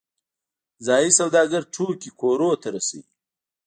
ځایی سوداګر توکي کورونو ته رسوي